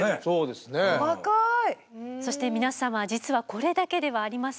そして皆様実はこれだけではありません。